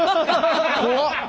怖っ！